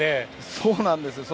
そうなんです。